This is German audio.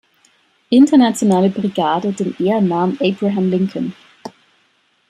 Internationale Brigade den Ehrennamen "Abraham Lincoln".